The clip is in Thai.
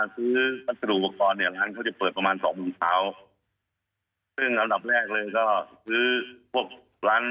ซื้อวัสดุอุปกรณ์เนี่ยร้านเขาจะเปิดประมาณสองโมงเช้าซึ่งอันดับแรกเลยก็ซื้อพวกร้าน